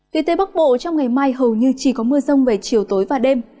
về tây bắc bộ trong ngày mai hầu như chỉ có mưa rông về chiều tối và đêm